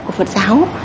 của phật giáo